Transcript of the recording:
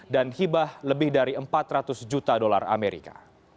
dan hibah lebih dari empat ratus juta dolar amerika